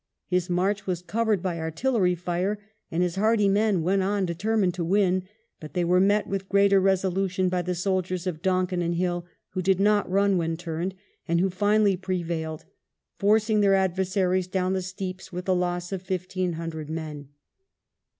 His march was covered by artillery fire, and his hardy men went on determined to win, but they were met with greater resolution by the soldiers of Donkin and Hill, who did not run when turned, and who finally prevailed, forcing their adversaries down the steeps with the loss of fifteen hundred men.